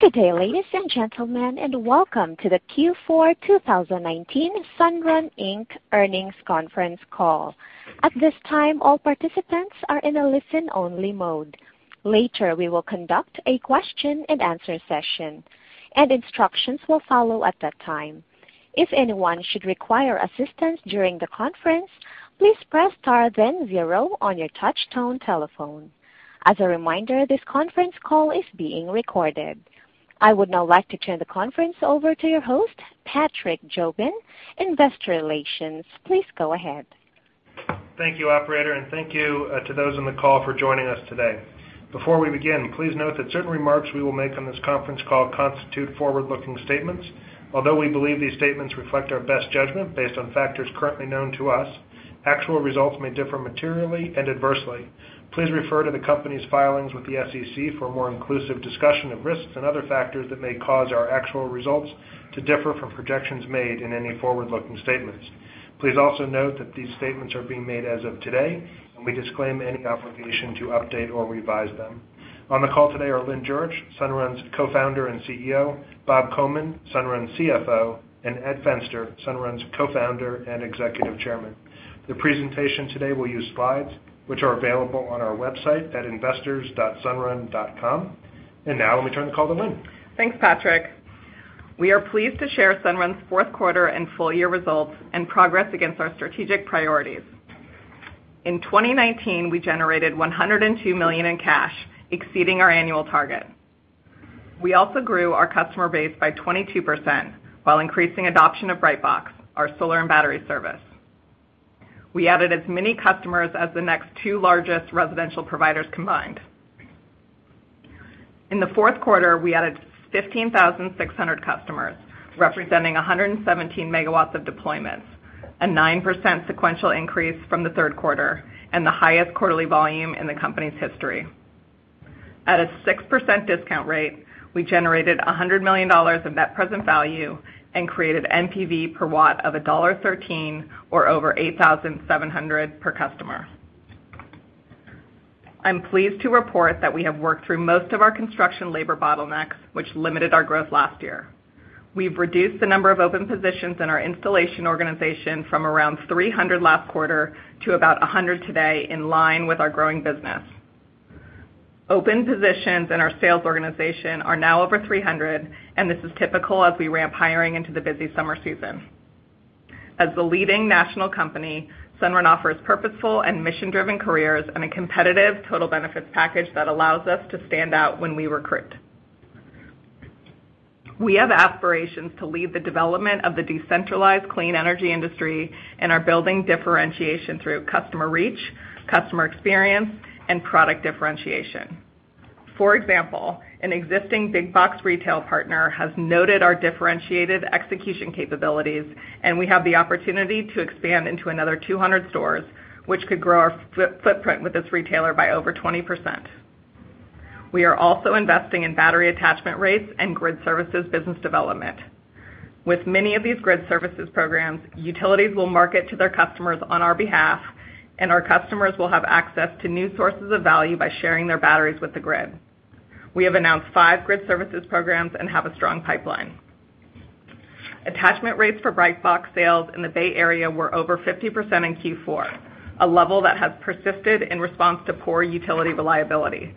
Good day, ladies and gentlemen, welcome to the Q4 2019 Sunrun Inc. earnings conference call. At this time, all participants are in a listen-only mode. Later, we will conduct a question and answer session, and instructions will follow at that time. If anyone should require assistance during the conference, please press star then zero on your touchtone telephone. As a reminder, this conference call is being recorded. I would now like to turn the conference over to your host, Patrick Jobin, Investor Relations. Please go ahead. Thank you, operator, and thank you to those on the call for joining us today. Before we begin, please note that certain remarks we will make on this conference call constitute forward-looking statements. Although we believe these statements reflect our best judgment based on factors currently known to us, actual results may differ materially and adversely. Please refer to the company's filings with the SEC for a more inclusive discussion of risks and other factors that may cause our actual results to differ from projections made in any forward-looking statements. Please also note that these statements are being made as of today, and we disclaim any obligation to update or revise them. On the call today are Lynn Jurich, Sunrun's Co-Founder and CEO, Bob Komin, Sunrun's CFO, and Ed Fenster, Sunrun's Co-Founder and Executive Chairman. The presentation today will use slides which are available on our website at investors.sunrun.com. Now let me turn the call to Lynn. Thanks, Patrick. We are pleased to share Sunrun's fourth quarter and full-year results and progress against our strategic priorities. In 2019, we generated $102 million in cash, exceeding our annual target. We also grew our customer base by 22%, while increasing adoption of Brightbox, our solar and battery service. We added as many customers as the next two largest residential providers combined. In the fourth quarter, we added 15,600 customers, representing 117 MW of deployments, a 9% sequential increase from the third quarter, and the highest quarterly volume in the company's history. At a 6% discount rate, we generated $100 million of net present value and created NPV per watt of $1.13, or over $8,700 per customer. I'm pleased to report that we have worked through most of our construction labor bottlenecks, which limited our growth last year. We've reduced the number of open positions in our installation organization from around 300 last quarter to about 100 today, in line with our growing business. Open positions in our sales organization are now over 300, and this is typical as we ramp hiring into the busy summer season. As the leading national company, Sunrun offers purposeful and mission-driven careers and a competitive total benefits package that allows us to stand out when we recruit. We have aspirations to lead the development of the decentralized clean energy industry and are building differentiation through customer reach, customer experience, and product differentiation. For example, an existing big box retail partner has noted our differentiated execution capabilities, and we have the opportunity to expand into another 200 stores, which could grow our footprint with this retailer by over 20%. We are also investing in battery attachment rates and grid services business development. With many of these grid services programs, utilities will market to their customers on our behalf, and our customers will have access to new sources of value by sharing their batteries with the grid. We have announced five grid services programs and have a strong pipeline. Attachment rates for Brightbox sales in the Bay Area were over 50% in Q4, a level that has persisted in response to poor utility reliability.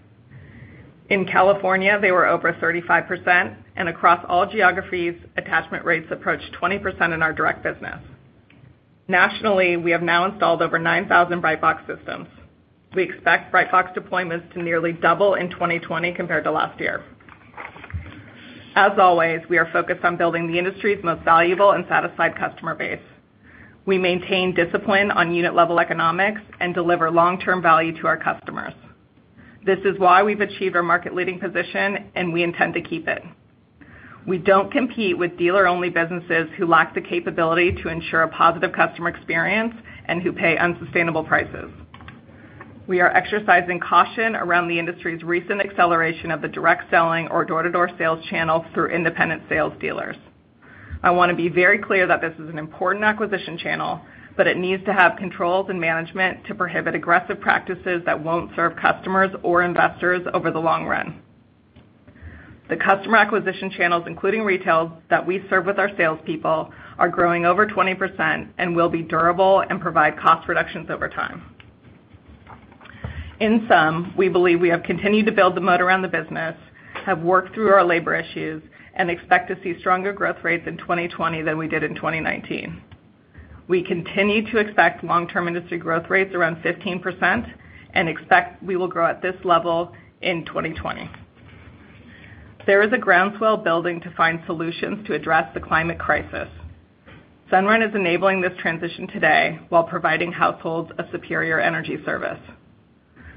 In California, they were over 35%, and across all geographies, attachment rates approached 20% in our direct business. Nationally, we have now installed over 9,000 Brightbox systems. We expect Brightbox deployments to nearly double in 2020 compared to last year. As always, we are focused on building the industry's most valuable and satisfied customer base. We maintain discipline on unit-level economics and deliver long-term value to our customers. This is why we've achieved our market-leading position, and we intend to keep it. We don't compete with dealer-only businesses who lack the capability to ensure a positive customer experience and who pay unsustainable prices. We are exercising caution around the industry's recent acceleration of the direct selling or door-to-door sales channel through independent sales dealers. I want to be very clear that this is an important acquisition channel, but it needs to have controls and management to prohibit aggressive practices that won't serve customers or investors over the long run. The customer acquisition channels, including retail, that we serve with our salespeople, are growing over 20% and will be durable and provide cost reductions over time. In sum, we believe we have continued to build the moat around the business, have worked through our labor issues, and expect to see stronger growth rates in 2020 than we did in 2019. We continue to expect long-term industry growth rates around 15% and expect we will grow at this level in 2020. There is a groundswell building to find solutions to address the climate crisis. Sunrun is enabling this transition today while providing households a superior energy service.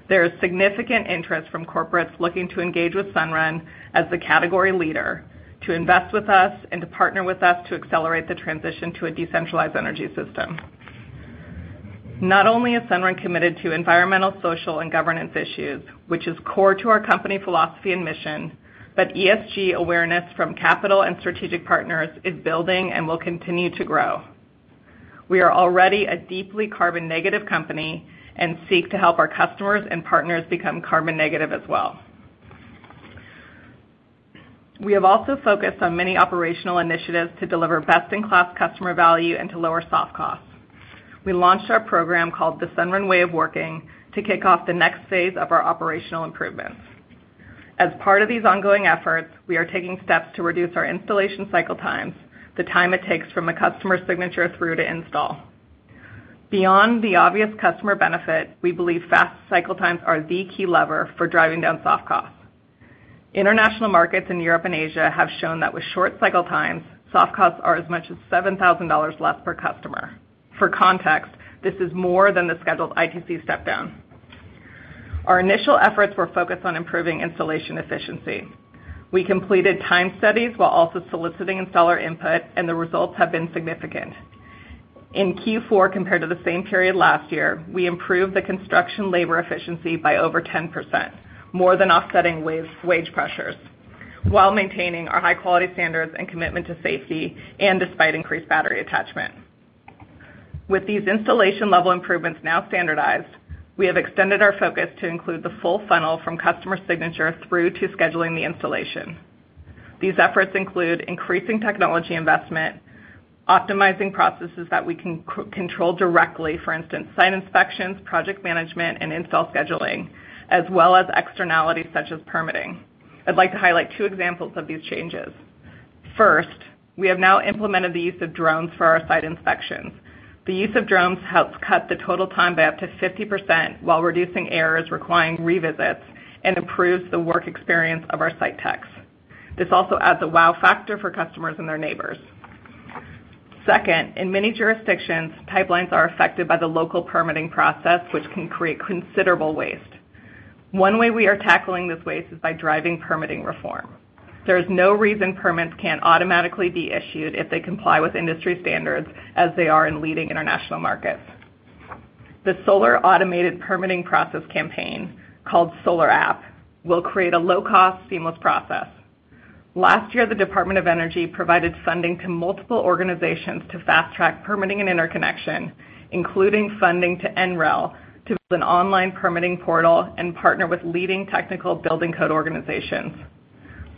There is significant interest from corporates looking to engage with Sunrun as the category leader to invest with us and to partner with us to accelerate the transition to a decentralized energy system. Not only is Sunrun committed to environmental, social, and governance issues, which is core to our company philosophy and mission, but ESG awareness from capital and strategic partners is building and will continue to grow. We are already a deeply carbon negative company and seek to help our customers and partners become carbon negative as well. We have also focused on many operational initiatives to deliver best-in-class customer value and to lower soft costs. We launched our program called the Sunrun Way of Working to kick off the next phase of our operational improvements. As part of these ongoing efforts, we are taking steps to reduce our installation cycle times, the time it takes from a customer signature through to install. Beyond the obvious customer benefit, we believe fast cycle times are the key lever for driving down soft costs. International markets in Europe and Asia have shown that with short cycle times, soft costs are as much as $7,000 less per customer. For context, this is more than the scheduled ITC step-down. Our initial efforts were focused on improving installation efficiency. We completed time studies while also soliciting installer input, and the results have been significant. In Q4 compared to the same period last year, we improved the construction labor efficiency by over 10%, more than offsetting wage pressures, while maintaining our high quality standards and commitment to safety, and despite increased battery attachment. With these installation level improvements now standardized, we have extended our focus to include the full funnel from customer signature through to scheduling the installation. These efforts include increasing technology investment, optimizing processes that we can control directly, for instance, site inspections, project management, and install scheduling, as well as externalities such as permitting. I'd like to highlight two examples of these changes. First, we have now implemented the use of drones for our site inspections. The use of drones helps cut the total time by up to 50% while reducing errors requiring revisits and improves the work experience of our site techs. This also adds a wow factor for customers and their neighbors. Second, in many jurisdictions, pipelines are affected by the local permitting process, which can create considerable waste. One way we are tackling this waste is by driving permitting reform. There is no reason permits can't automatically be issued if they comply with industry standards as they are in leading international markets. The Solar Automated Permitting Process campaign, called SolarAPP+, will create a low-cost, seamless process. Last year, the Department of Energy provided funding to multiple organizations to fast-track permitting and interconnection, including funding to NREL to build an online permitting portal and partner with leading technical building code organizations.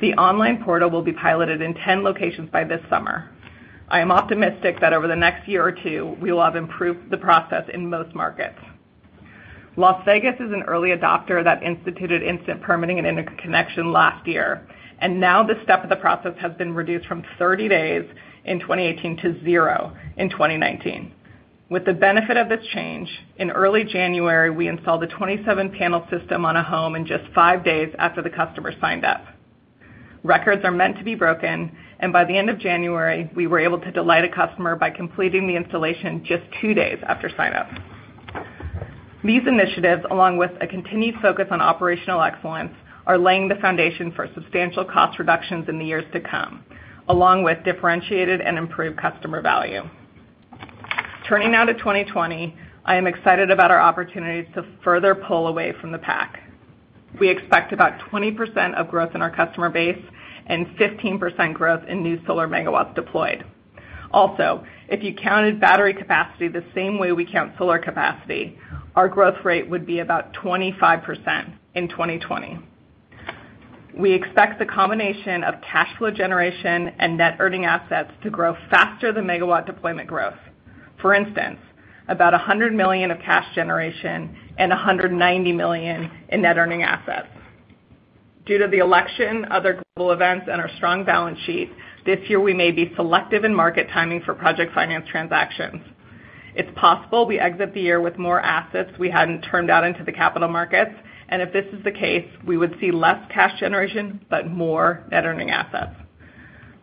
The online portal will be piloted in 10 locations by this summer. I am optimistic that over the next year or two, we will have improved the process in most markets. Las Vegas is an early adopter that instituted instant permitting and interconnection last year, and now this step of the process has been reduced from 30 days in 2018 to zero in 2019. With the benefit of this change, in early January, we installed a 27-panel system on a home in just five days after the customer signed up. Records are meant to be broken, and by the end of January, we were able to delight a customer by completing the installation just two days after sign-up. These initiatives, along with a continued focus on operational excellence, are laying the foundation for substantial cost reductions in the years to come, along with differentiated and improved customer value. Turning now to 2020, I am excited about our opportunities to further pull away from the pack. We expect about 20% of growth in our customer base and 15% growth in new solar megawatts deployed. Also, if you counted battery capacity the same way we count solar capacity, our growth rate would be about 25% in 2020. We expect the combination of cash flow generation and net earning assets to grow faster than megawatt deployment growth. For instance, about $100 million of cash generation and $190 million in net earning assets. Due to the election, other global events, and our strong balance sheet, this year, we may be selective in market timing for project finance transactions. It's possible we exit the year with more assets we hadn't turned out into the capital markets, and if this is the case, we would see less cash generation, but more net earning assets.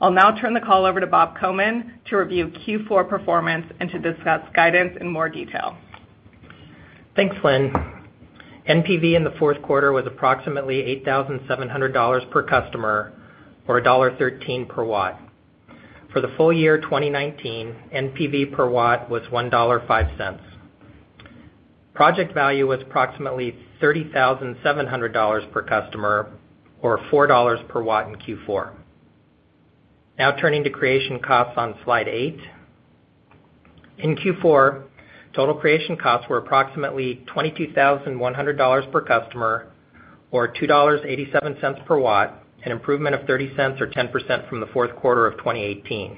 I'll now turn the call over to Bob Komin to review Q4 performance and to discuss guidance in more detail. Thanks, Lynn. NPV in the fourth quarter was approximately $8,700 per customer or $1.13 per watt. For the full year 2019, NPV per watt was $1.5. Project value was approximately $30,700 per customer or $4 per watt in Q4. Now turning to creation costs on slide eight. In Q4, total creation costs were approximately $22,100 per customer or $2.87 per watt, an improvement of $0.30 or 10% from the fourth quarter of 2018.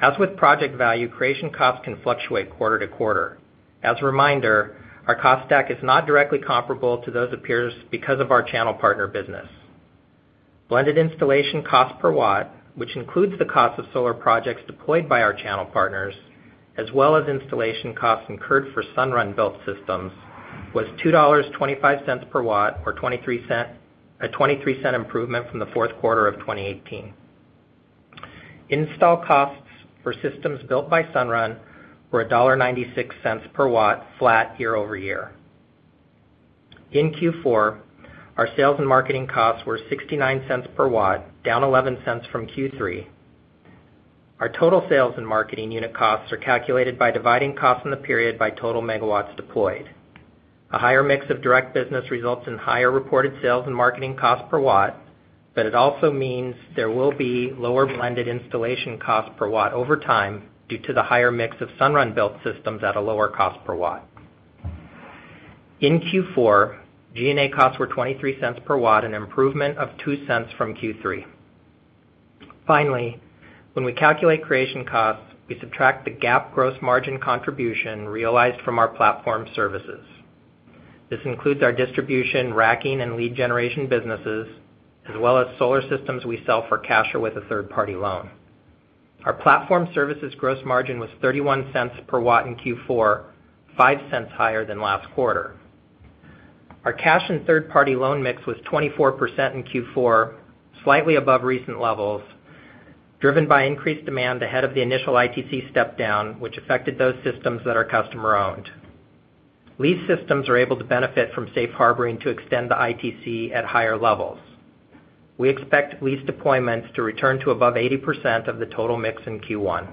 As with project value, creation costs can fluctuate quarter to quarter. As a reminder, our cost stack is not directly comparable to those of peers because of our channel partner business. Blended installation cost per watt, which includes the cost of solar projects deployed by our channel partners, as well as installation costs incurred for Sunrun built systems, was $2.25 per watt or a $0.23 improvement from the fourth quarter of 2018. Install costs for systems built by Sunrun were $1.96 per watt flat year-over-year. In Q4, our sales and marketing costs were $0.69 per watt, down $0.11 from Q3. Our total sales and marketing unit costs are calculated by dividing costs in the period by total MW deployed. A higher mix of direct business results in higher reported sales and marketing cost per watt, but it also means there will be lower blended installation cost per watt over time due to the higher mix of Sunrun built systems at a lower cost per watt. In Q4, G&A costs were $0.23 per watt, an improvement of $0.02 from Q3. Finally, when we calculate creation costs, we subtract the GAAP gross margin contribution realized from our platform services. This includes our distribution, racking, and lead generation businesses, as well as solar systems we sell for cash or with a third-party loan. Our platform services gross margin was $0.31 per watt in Q4, $0.05 higher than last quarter. Our cash and third-party loan mix was 24% in Q4, slightly above recent levels, driven by increased demand ahead of the initial ITC step down, which affected those systems that are customer-owned. Leased systems are able to benefit from safe harboring to extend the ITC at higher levels. We expect leased deployments to return to above 80% of the total mix in Q1.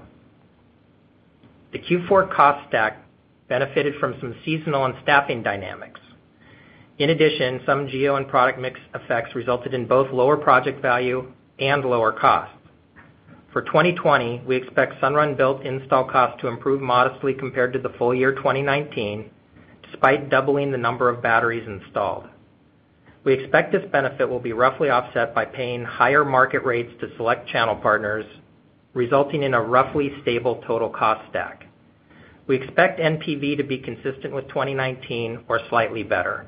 The Q4 cost stack benefited from some seasonal and staffing dynamics. Some geo and product mix effects resulted in both lower project value and lower cost. For 2020, we expect Sunrun built install cost to improve modestly compared to the full year 2019, despite doubling the number of batteries installed. We expect this benefit will be roughly offset by paying higher market rates to select channel partners, resulting in a roughly stable total cost stack. We expect NPV to be consistent with 2019 or slightly better.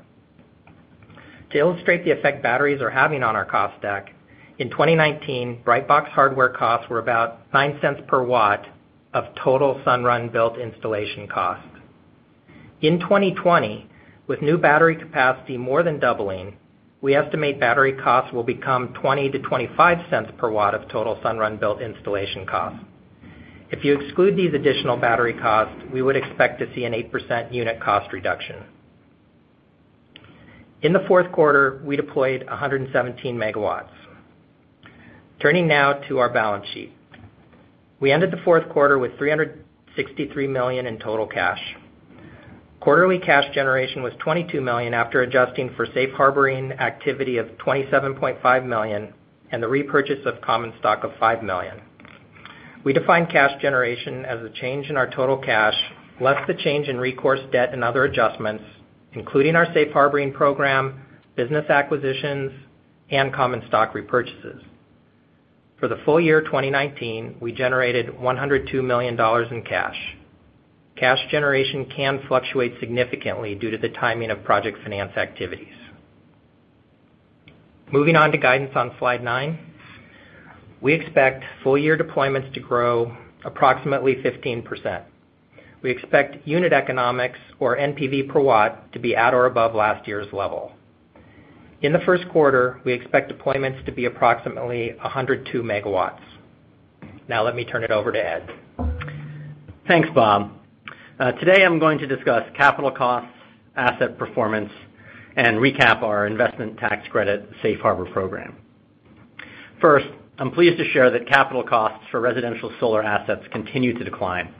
To illustrate the effect batteries are having on our cost stack, in 2019, Brightbox hardware costs were about $0.09 per watt of total Sunrun built installation cost. In 2020, with new battery capacity more than doubling, we estimate battery costs will become $0.20-$0.25 per watt of total Sunrun built installation cost. If you exclude these additional battery costs, we would expect to see an 8% unit cost reduction. In the fourth quarter, we deployed 117 MW. Turning now to our balance sheet. We ended the fourth quarter with $363 million in total cash. Quarterly cash generation was $22 million after adjusting for safe harboring activity of $27.5 million and the repurchase of common stock of $5 million. We define cash generation as a change in our total cash, less the change in recourse debt and other adjustments, including our safe harboring program, business acquisitions, and common stock repurchases. For the full year 2019, we generated $102 million in cash. Cash generation can fluctuate significantly due to the timing of project finance activities. Moving on to guidance on slide nine. We expect full year deployments to grow approximately 15%. We expect unit economics or NPV per watt to be at or above last year's level. In the first quarter, we expect deployments to be approximately 102 MW. Let me turn it over to Ed. Thanks, Bob. Today, I'm going to discuss capital costs, asset performance, and recap our investment tax credit safe harbor program. First, I'm pleased to share that capital costs for residential solar assets continue to decline.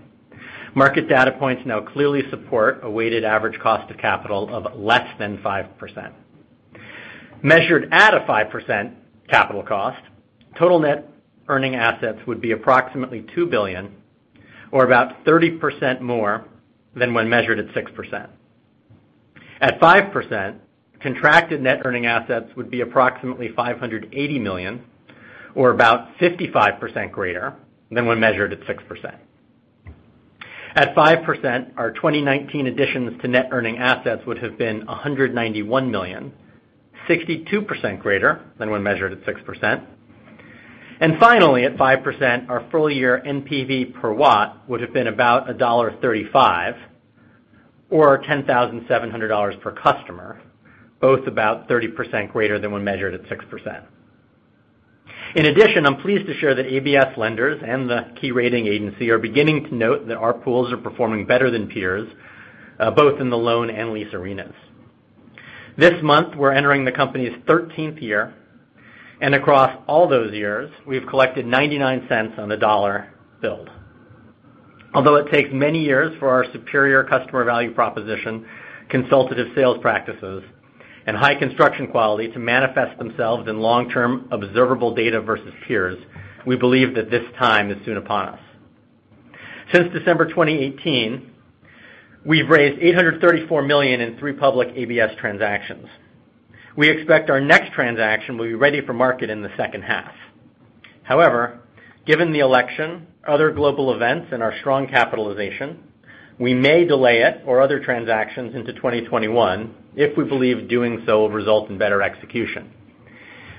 Market data points now clearly support a weighted average cost of capital of less than 5%. Measured at a 5% capital cost, total net earning assets would be approximately $2 billion or about 30% more than when measured at 6%. At 5%, contracted net earning assets would be approximately $580 million or about 55% greater than when measured at 6%. At 5%, our 2019 additions to net earning assets would have been $191 million, 62% greater than when measured at 6%. Finally, at 5%, our full year NPV per watt would have been about $1.35 or $10,700 per customer, both about 30% greater than when measured at 6%. In addition, I'm pleased to share that ABS lenders and the key rating agency are beginning to note that our pools are performing better than peers, both in the loan and lease arenas. This month, we're entering the company's 13th year, and across all those years, we've collected $0.99 on the dollar billed. Although it takes many years for our superior customer value proposition, consultative sales practices, and high construction quality to manifest themselves in long-term observable data versus peers, we believe that this time is soon upon us. Since December 2018, we've raised $834 million in three public ABS transactions. We expect our next transaction will be ready for market in the second half. Given the election, other global events, and our strong capitalization, we may delay it or other transactions into 2021 if we believe doing so will result in better execution.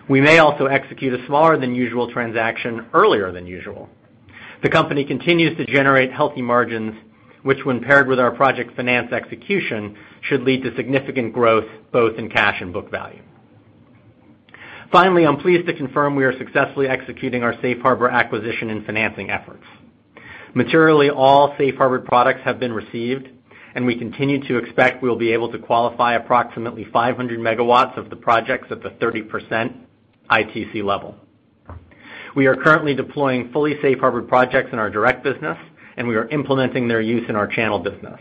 We may also execute a smaller than usual transaction earlier than usual. The company continues to generate healthy margins, which when paired with our project finance execution, should lead to significant growth both in cash and book value. I'm pleased to confirm we are successfully executing our safe harbor acquisition and financing efforts. All safe harbor products have been received, and we continue to expect we'll be able to qualify approximately 500 MW of the projects at the 30% ITC level. We are currently deploying fully safe harbor projects in our direct business, and we are implementing their use in our channel business.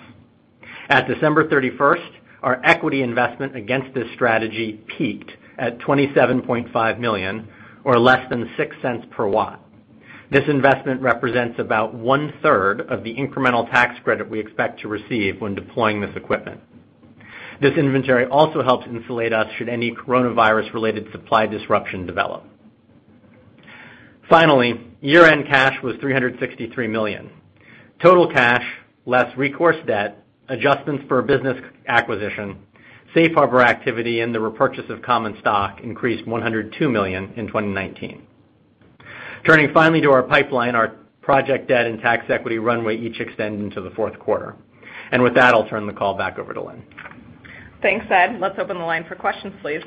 At December 31st, our equity investment against this strategy peaked at $27.5 million, or less than $0.06 per watt. This investment represents about 1/3 of the incremental tax credit we expect to receive when deploying this equipment. This inventory also helps insulate us should any coronavirus-related supply disruption develop. Finally, year-end cash was $363 million. Total cash less recourse debt, adjustments for a business acquisition, safe harbor activity, and the repurchase of common stock increased $102 million in 2019. Turning finally to our pipeline, our project debt and tax equity runway each extend into the fourth quarter. With that, I'll turn the call back over to Lynn. Thanks, Ed. Let's open the line for questions, please.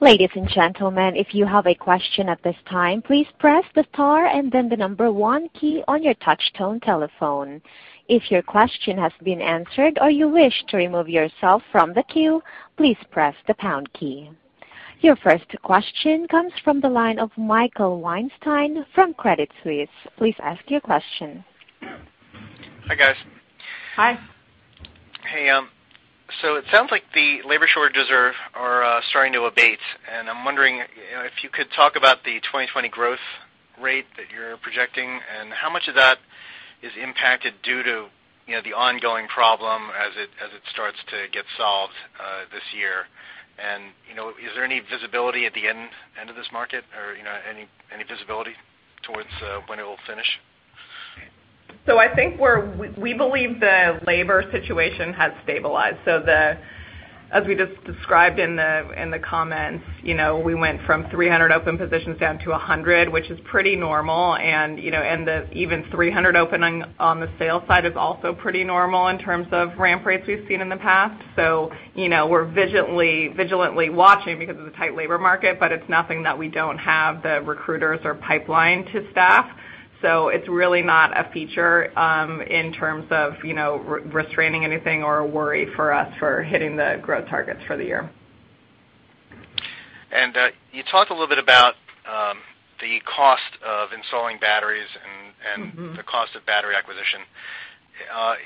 Ladies and gentlemen, if you have a question at this time, please press the star and then the number one key on your touch tone telephone. If your question has been answered or you wish to remove yourself from the queue, please press the pound key. Your first question comes from the line of Michael Weinstein from Credit Suisse. Please ask your question. Hi, guys. Hi. Hey. It sounds like the labor shortages are starting to abate, and I'm wondering if you could talk about the 2020 growth rate that you're projecting and how much of that is impacted due to the ongoing problem as it starts to get solved this year. Is there any visibility at the end of this market or any visibility towards when it will finish? I think we believe the labor situation has stabilized. As we just described in the comments, we went from 300 open positions down to 100, which is pretty normal. Even 300 open on the sales side is also pretty normal in terms of ramp rates we've seen in the past. We're vigilantly watching because of the tight labor market, but it's nothing that we don't have the recruiters or pipeline to staff. It's really not a feature in terms of restraining anything or a worry for us for hitting the growth targets for the year. You talked a little bit about the cost of installing batteries, the cost of battery acquisition. Are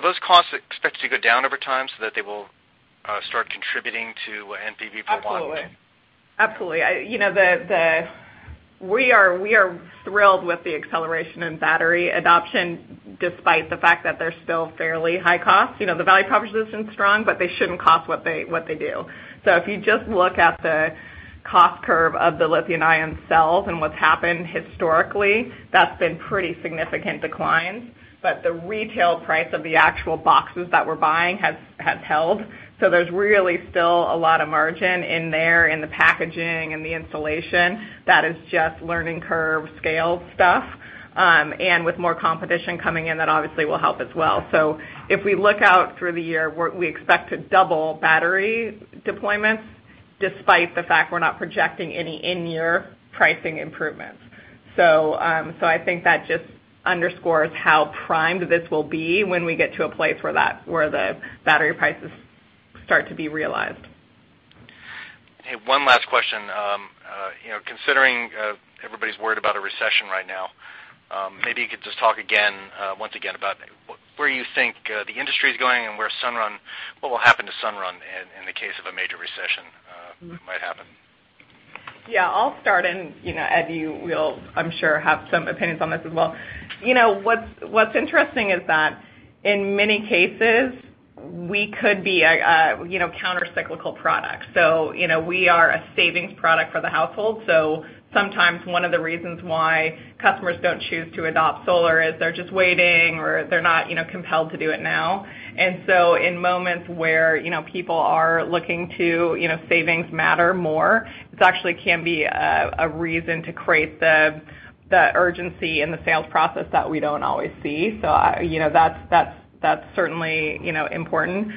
those costs expected to go down over time so that they will start contributing to NPV per watt? Absolutely. We are thrilled with the acceleration in battery adoption, despite the fact that they're still fairly high cost. The value proposition is strong, but they shouldn't cost what they do. If you just look at the cost curve of the lithium-ion cells and what's happened historically, that's been pretty significant declines. But the retail price of the actual boxes that we're buying has held. There's really still a lot of margin in there in the packaging and the installation that is just learning curve scale stuff. With more competition coming in, that obviously will help as well. If we look out through the year, we expect to double battery deployments despite the fact we're not projecting any in-year pricing improvements. I think that just underscores how primed this will be when we get to a place where the battery prices start to be realized. Okay, one last question. Considering everybody's worried about a recession right now, maybe you could just talk once again about where you think the industry is going and what will happen to Sunrun in the case of a major recession that might happen. I'll start and Ed, you will, I'm sure, have some opinions on this as well. What's interesting is that in many cases, we could be a countercyclical product. We are a savings product for the household, so sometimes one of the reasons why customers don't choose to adopt solar is they're just waiting or they're not compelled to do it now. In moments where people are looking to savings matter more, this actually can be a reason to create the urgency in the sales process that we don't always see. That's certainly important.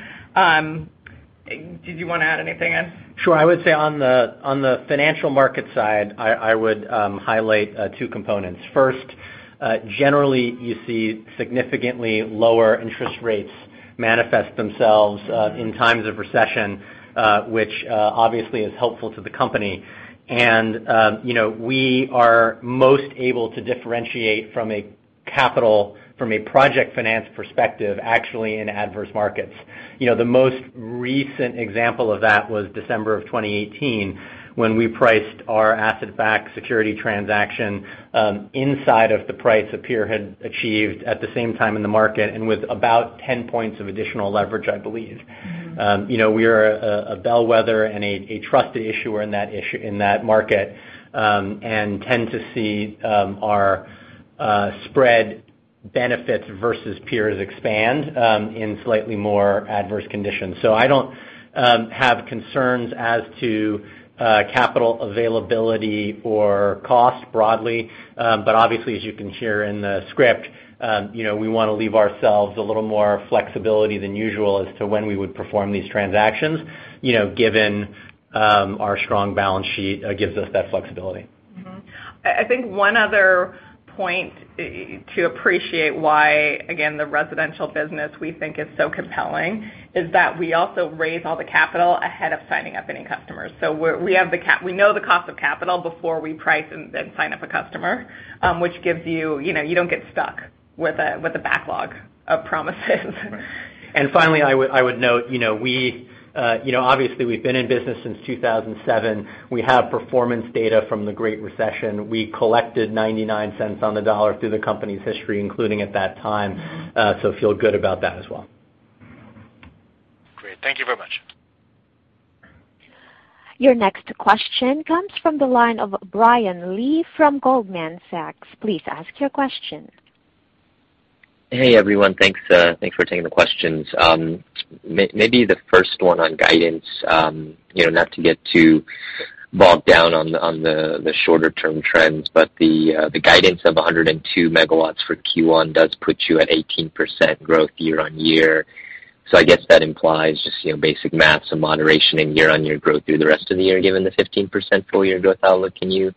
Did you want to add anything, Ed? Sure. I would say on the financial market side, I would highlight two components. First, generally, you see significantly lower interest rates manifest themselves in times of recession, which obviously is helpful to the company. We are most able to differentiate from a capital, from a project finance perspective, actually in adverse markets. The most recent example of that was December of 2018 when we priced our asset-backed security transaction inside of the price a peer had achieved at the same time in the market, and with about 10 points of additional leverage, I believe. We are a bellwether and a trusted issuer in that market and tend to see our spread benefits versus peers expand in slightly more adverse conditions. I don't have concerns as to capital availability or cost broadly. Obviously, as you can hear in the script we want to leave ourselves a little more flexibility than usual as to when we would perform these transactions, given our strong balance sheet gives us that flexibility. I think one other point to appreciate why, again, the residential business we think is so compelling is that we also raise all the capital ahead of signing up any customers. We know the cost of capital before we price and sign up a customer, which gives you. You don't get stuck with a backlog of promises. Finally, I would note, obviously we've been in business since 2007. We have performance data from the Great Recession. We collected $0.99 on the dollar through the company's history, including at that time. Feel good about that as well. Great. Thank you very much. Your next question comes from the line of Brian Lee from Goldman Sachs. Please ask your question. Hey, everyone. Thanks for taking the questions. Maybe the first one on guidance, not to get too bogged down on the shorter-term trends, but the guidance of 102 MW for Q1 does put you at 18% growth year-on-year. I guess that implies just basic math and moderation in year-on-year growth through the rest of the year, given the 15% full-year growth outlook. Can you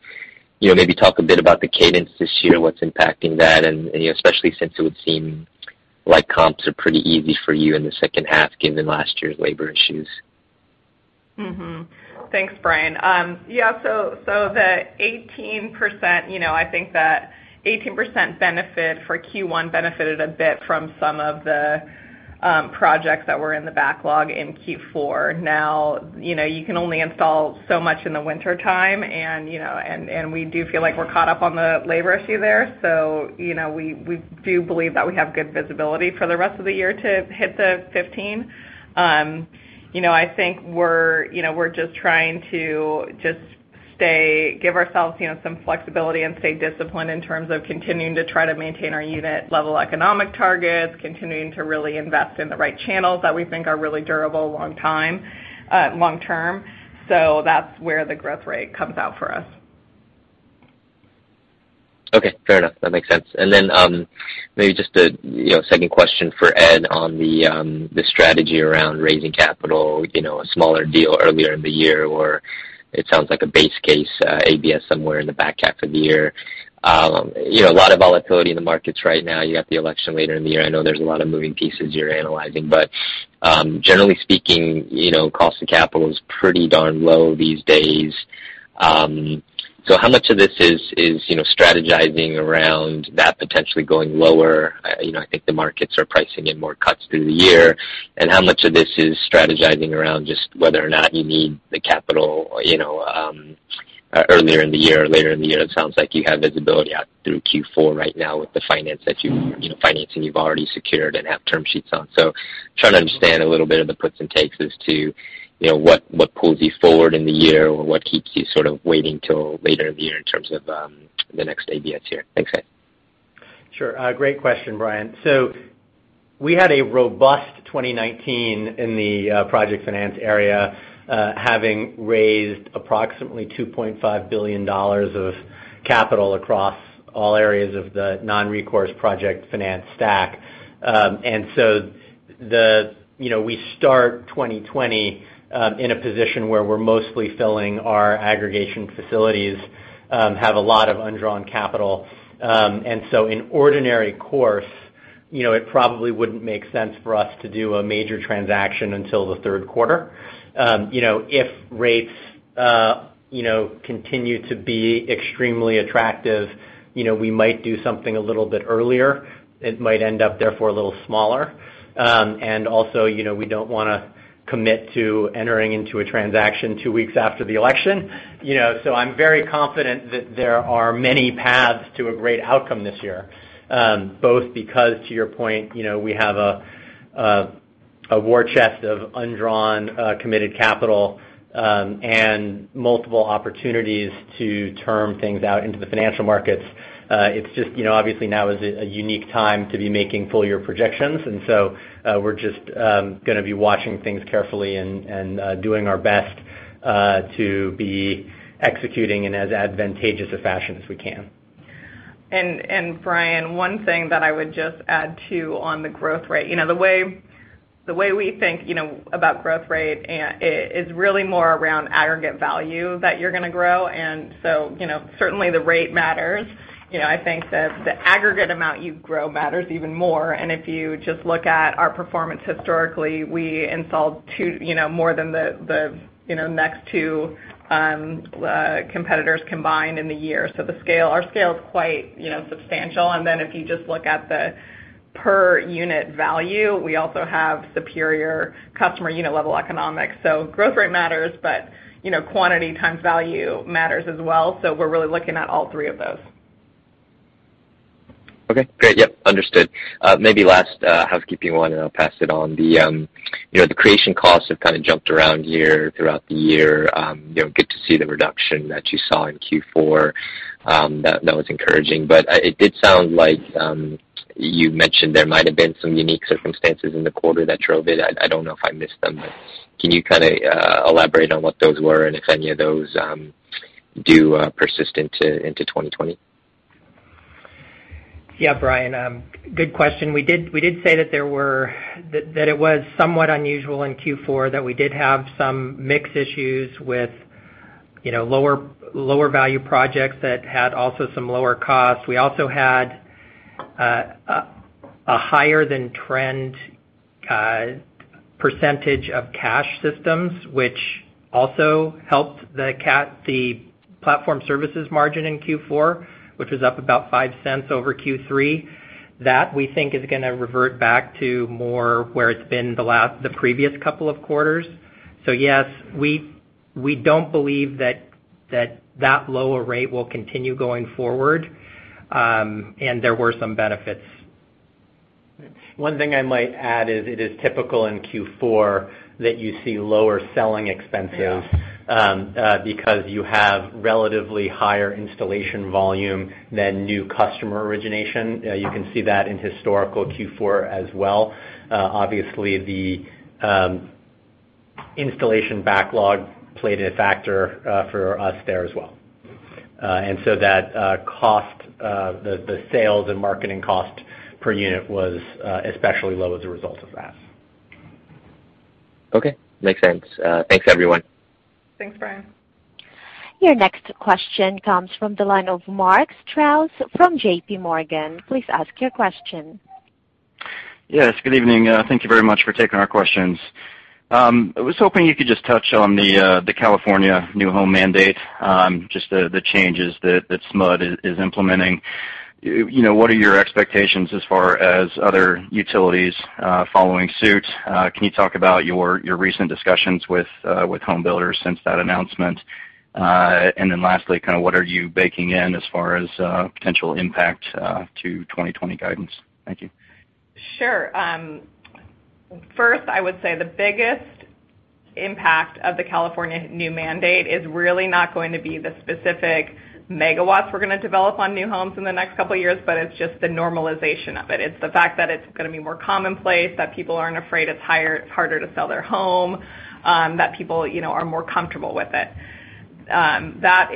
maybe talk a bit about the cadence this year, what's impacting that? Especially since it would seem like comps are pretty easy for you in the second half given last year's labor issues. Mm-hmm. Thanks, Brian. Yeah. The 18%, I think that 18% benefit for Q1 benefited a bit from some of the projects that were in the backlog in Q4. You can only install so much in the wintertime, and we do feel like we're caught up on the labor issue there. We do believe that we have good visibility for the rest of the year to hit the 15%. I think we're just trying to give ourselves some flexibility and stay disciplined in terms of continuing to try to maintain our unit level economic targets, continuing to really invest in the right channels that we think are really durable long-term. That's where the growth rate comes out for us. Okay. Fair enough. That makes sense. Then, maybe just a second question for Ed on the strategy around raising capital, a smaller deal earlier in the year, or it sounds like a base case ABS somewhere in the back half of the year. A lot of volatility in the markets right now. You got the election later in the year. I know there's a lot of moving pieces you're analyzing, but generally speaking, cost of capital is pretty darn low these days. How much of this is strategizing around that potentially going lower? I think the markets are pricing in more cuts through the year. How much of this is strategizing around just whether or not you need the capital earlier in the year or later in the year? It sounds like you have visibility out through Q4 right now with the financing you've already secured and have term sheets on. Trying to understand a little bit of the puts and takes as to what pulls you forward in the year or what keeps you sort of waiting till later in the year in terms of the next ABS year. Thanks, Ed. Sure. Great question, Brian. We had a robust 2019 in the project finance area, having raised approximately $2.5 billion of capital across all areas of the non-recourse project finance stack. We start 2020 in a position where we're mostly filling our aggregation facilities, have a lot of undrawn capital. In ordinary course, it probably wouldn't make sense for us to do a major transaction until the third quarter. If rates continue to be extremely attractive, we might do something a little bit earlier. It might end up therefore a little smaller. Also, we don't want to commit to entering into a transaction two weeks after the election. I'm very confident that there are many paths to a great outcome this year, both because, to your point, we have a war chest of undrawn, committed capital, and multiple opportunities to term things out into the financial markets. It's just, obviously now is a unique time to be making full-year projections. We're just going to be watching things carefully and doing our best to be executing in as advantageous a fashion as we can. Brian, one thing that I would just add, too, on the growth rate. The way we think about growth rate is really more around aggregate value that you're going to grow. Certainly the rate matters. I think that the aggregate amount you grow matters even more. If you just look at our performance historically, we installed more than the next two competitors combined in the year. Our scale is quite substantial. If you just look at the per unit value, we also have superior customer unit level economics. Growth rate matters, but quantity times value matters as well. We're really looking at all three of those. Okay, great. Yep. Understood. Maybe last housekeeping one, and I'll pass it on. The creation costs have kind of jumped around here throughout the year. Good to see the reduction that you saw in Q4. That was encouraging, but it did sound like you mentioned there might have been some unique circumstances in the quarter that drove it. I don't know if I missed them, but can you kind of elaborate on what those were and if any of those do persist into 2020? Yeah, Brian, good question. We did say that it was somewhat unusual in Q4 that we did have some mix issues with lower value projects that had also some lower costs. We also had a higher than trend % of cash systems, which also helped the platform services margin in Q4, which was up about $0.05 over Q3. That, we think, is going to revert back to more where it's been the previous couple of quarters. Yes, we don't believe that that lower rate will continue going forward, and there were some benefits. One thing I might add is it is typical in Q4 that you see lower selling expenses. Yeah You have relatively higher installation volume than new customer origination. You can see that in historical Q4 as well. Obviously, the installation backlog played a factor for us there as well. The sales and marketing cost per unit was especially low as a result of that. Okay. Makes sense. Thanks, everyone. Thanks, Brian. Your next question comes from the line of Mark Strouse from JPMorgan. Please ask your question. Yes, good evening. Thank you very much for taking our questions. I was hoping you could just touch on the California new home mandate, just the changes that SMUD is implementing. What are your expectations as far as other utilities following suit? Can you talk about your recent discussions with home builders since that announcement? Lastly, what are you baking in as far as potential impact to 2020 guidance? Thank you. Sure. First, I would say the biggest impact of the California new mandate is really not going to be the specific megawatts we're going to develop on new homes in the next couple of years, but it's just the normalization of it. It's the fact that it's going to be more commonplace, that people aren't afraid it's harder to sell their home, that people are more comfortable with it. The fact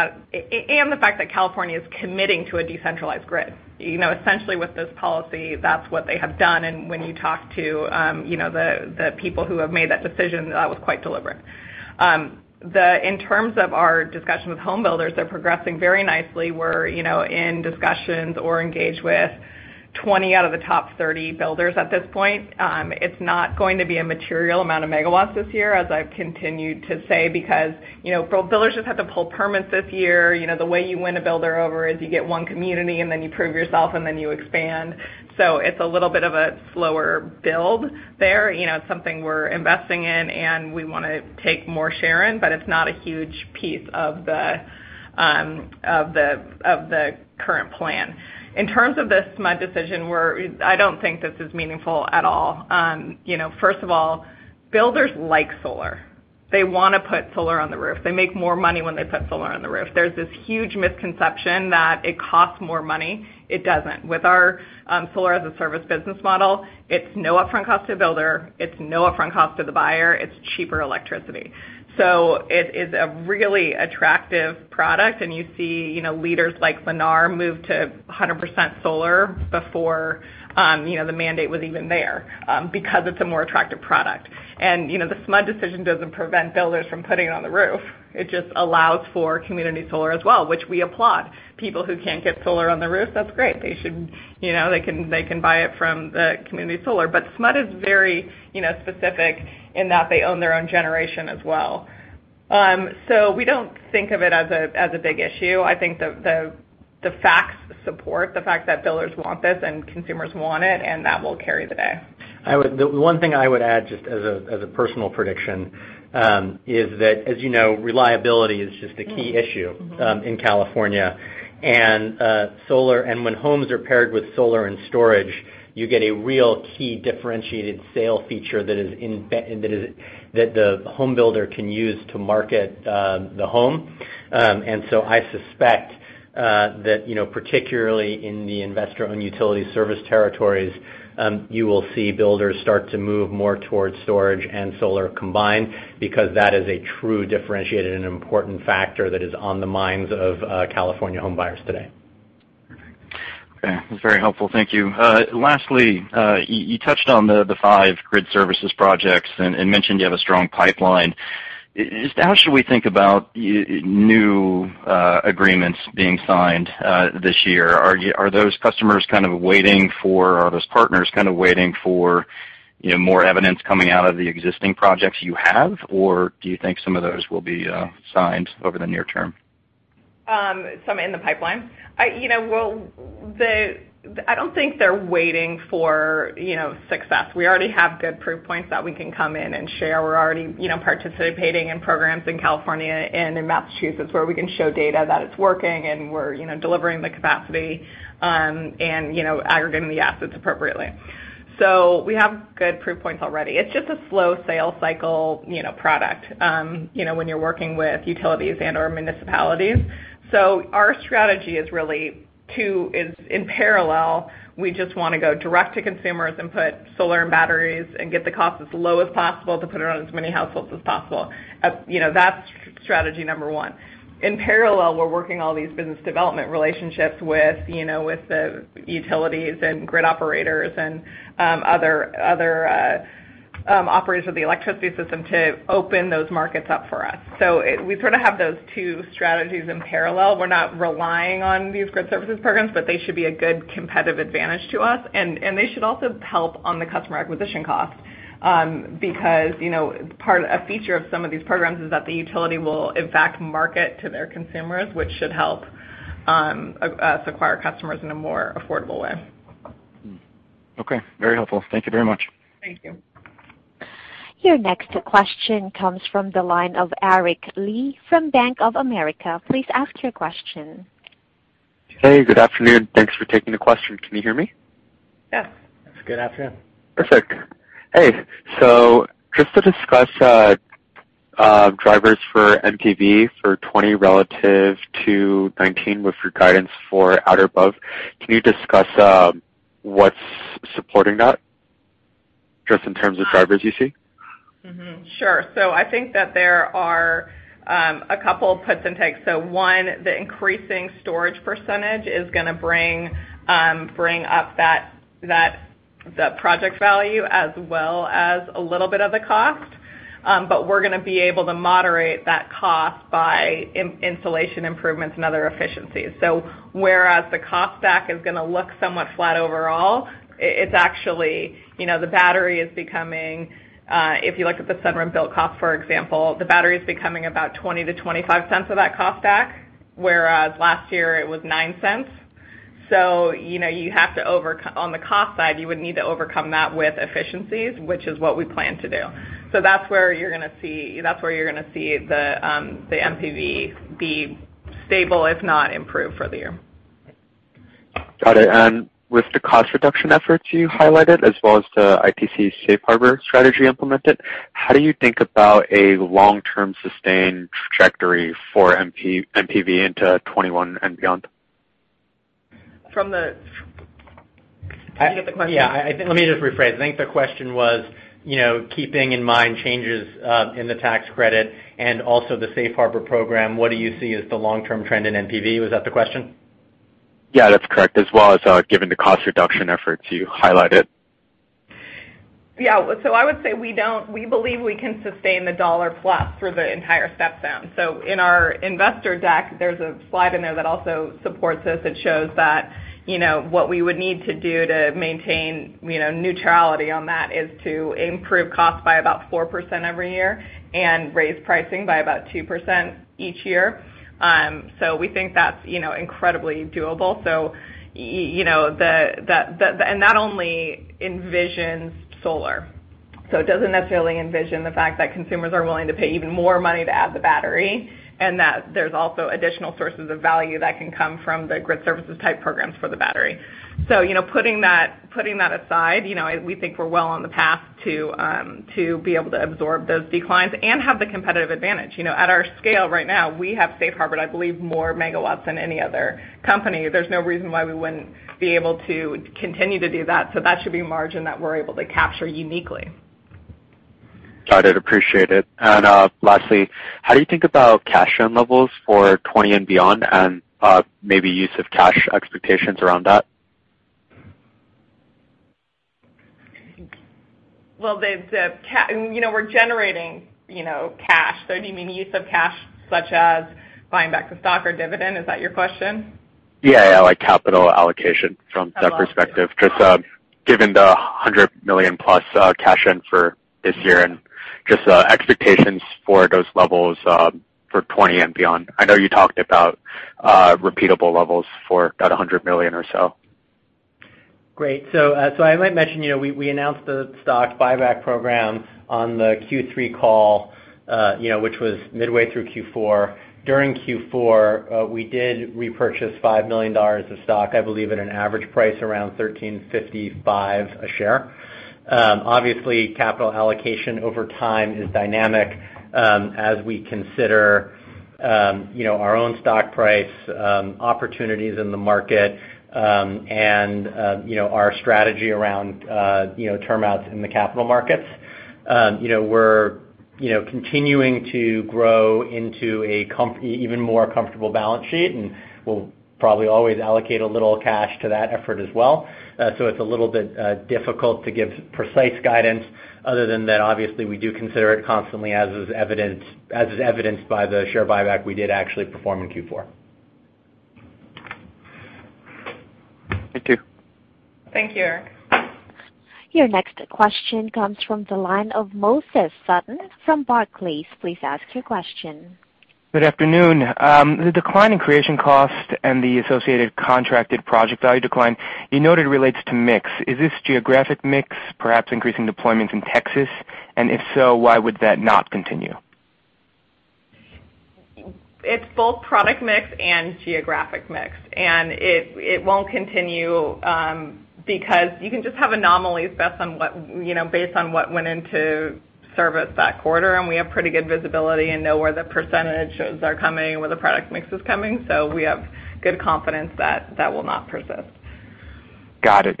that California is committing to a decentralized grid. Essentially with this policy, that's what they have done, and when you talk to the people who have made that decision, that was quite deliberate. In terms of our discussion with home builders, they're progressing very nicely. We're in discussions or engaged with 20 out of the top 30 builders at this point. It's not going to be a material amount of megawatts this year, as I've continued to say, because builders just had to pull permits this year. The way you win a builder over is you get one community, and then you prove yourself, and then you expand. It's a little bit of a slower build there. It's something we're investing in, and we want to take more share in, but it's not a huge piece of the current plan. In terms of the SMUD decision, I don't think this is meaningful at all. First of all, builders like solar. They want to put solar on the roof. They make more money when they put solar on the roof. There's this huge misconception that it costs more money. It doesn't. With our solar as a service business model, it's no upfront cost to the builder. It's no upfront cost to the buyer. It's cheaper electricity. It is a really attractive product, and you see leaders like Lennar move to 100% solar before the mandate was even there, because it's a more attractive product. The SMUD decision doesn't prevent builders from putting it on the roof. It just allows for community solar as well, which we applaud. People who can't get solar on the roof, that's great. They can buy it from the community solar. SMUD is very specific in that they own their own generation as well. We don't think of it as a big issue. I think the facts support the fact that builders want this and consumers want it, and that will carry the day. The one thing I would add, just as a personal prediction, is that, as you know, reliability is just a key issue in California. When homes are paired with solar and storage, you get a real key differentiated sale feature that the home builder can use to market the home. I suspect that, particularly in the investor-owned utility service territories, you will see builders start to move more towards storage and solar combined because that is a true differentiated and important factor that is on the minds of California home buyers today. Okay. That's very helpful. Thank you. Lastly, you touched on the five grid services projects and mentioned you have a strong pipeline. How should we think about new agreements being signed this year? Are those partners kind of waiting for more evidence coming out of the existing projects you have, or do you think some of those will be signed over the near term? Some in the pipeline. I don't think they're waiting for success. We already have good proof points that we can come in and share. We're already participating in programs in California and in Massachusetts where we can show data that it's working, and we're delivering the capacity, and aggregating the assets appropriately. We have good proof points already. It's just a slow sales cycle product when you're working with utilities and/or municipalities. Our strategy is really two. In parallel, we just want to go direct to consumers and put solar and batteries and get the cost as low as possible to put it on as many households as possible. That's strategy number one. In parallel, we're working all these business development relationships with the utilities and grid operators and other. Operates with the electricity system to open those markets up for us. We sort of have those two strategies in parallel. We're not relying on these grid services programs, but they should be a good competitive advantage to us, and they should also help on the customer acquisition costs. A feature of some of these programs is that the utility will in fact market to their consumers, which should help us acquire customers in a more affordable way. Okay, very helpful. Thank you very much. Thank you. Your next question comes from the line of Aric Li from Bank of America. Please ask your question. Hey, good afternoon. Thanks for taking the question. Can you hear me? Yeah. Good afternoon. Perfect. Just to discuss drivers for NPV for 2020 relative to 2019 with your guidance for at or above, can you discuss what's supporting that just in terms of drivers you see? Mm-hmm. Sure. I think that there are a couple puts and takes. One, the increasing storage percentage is going to bring up the project value as well as a little bit of the cost. We're going to be able to moderate that cost by installation improvements and other efficiencies. Whereas the cost back is going to look somewhat flat overall, the battery is becoming, if you look at the Sunrun bill cost, for example, the battery's becoming about $0.20-$0.25 of that cost back, whereas last year it was $0.09. On the cost side, you would need to overcome that with efficiencies, which is what we plan to do. That's where you're going to see the NPV be stable, if not improve for the year. Got it. With the cost reduction efforts you highlighted, as well as the ITC safe harbor strategy implemented, how do you think about a long-term sustained trajectory for NPV into 2021 and beyond? From the Did I get the question? Yeah. Let me just rephrase. I think the question was keeping in mind changes in the tax credit and also the safe harbor program, what do you see as the long-term trend in NPV? Was that the question? Yeah, that's correct, as well as given the cost reduction efforts you highlighted. I would say we believe we can sustain the $1 plus through the entire step down. In our investor deck, there's a slide in there that also supports this, that shows that what we would need to do to maintain neutrality on that is to improve cost by about 4% every year and raise pricing by about 2% each year. We think that's incredibly doable. That only envisions solar. It doesn't necessarily envision the fact that consumers are willing to pay even more money to add the battery, and that there's also additional sources of value that can come from the grid services type programs for the battery. Putting that aside, we think we're well on the path to be able to absorb those declines and have the competitive advantage. At our scale right now, we have safe harbored, I believe, more megawatts than any other company. There's no reason why we wouldn't be able to continue to do that. That should be margin that we're able to capture uniquely. Got it. Appreciate it. Lastly, how do you think about cash levels for 2020 and beyond, and maybe use of cash expectations around that? Well, we're generating cash. Do you mean use of cash such as buying back the stock or dividend? Is that your question? Yeah. Like capital allocation from that perspective. Okay. Just given the $100 million+ cash in for this year. Just expectations for those levels for 2020 and beyond. I know you talked about repeatable levels for that $100 million or so. Great. I might mention, we announced the stock buyback program on the Q3 call which was midway through Q4. During Q4, we did repurchase $5 million of stock, I believe at an average price around $13.55 a share. Obviously, capital allocation over time is dynamic as we consider our own stock price opportunities in the market, and our strategy around term outs in the capital markets. We're continuing to grow into an even more comfortable balance sheet, and we'll probably always allocate a little cash to that effort as well. It's a little bit difficult to give precise guidance other than that, obviously, we do consider it constantly as is evidenced by the share buyback we did actually perform in Q4. Thank you. Thank you, Aric. Your next question comes from the line of Moses Sutton from Barclays. Please ask your question. Good afternoon. The decline in creation cost and the associated contracted project value decline, you noted relates to mix. Is this geographic mix perhaps increasing deployments in Texas? If so, why would that not continue? It's both product mix and geographic mix. It won't continue because you can just have anomalies based on what went into service that quarter. We have pretty good visibility and know where the percentages are coming and where the product mix is coming. We have good confidence that that will not persist. Got it.